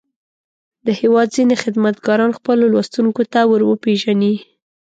د هېواد ځينې خدمتګاران خپلو لوستونکو ته ور وپېژني.